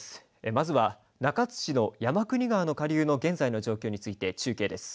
まずは中津市の山国川の下流の現在の状況について中継です。